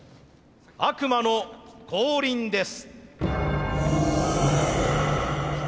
悪魔の降臨です。